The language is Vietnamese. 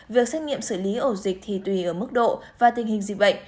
việc xét nghiệm xử lý ổ dịch thì tùy ở mức độ và tình hình dịch bệnh